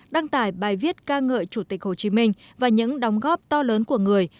đăng tải bài viết ca ngợi chủ tịch hồ chí minh và những đóng góp to lớn của người